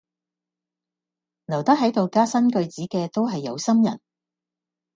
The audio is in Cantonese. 留得喺度加新句子嘅都係有心人